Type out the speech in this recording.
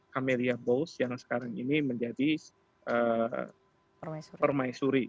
kamelia bowles yang sekarang ini menjadi permaisuri